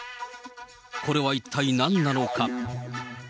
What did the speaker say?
これは一体何なのか。